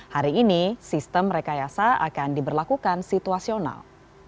hari ini sistem rekayasa akan diberlakukan situasional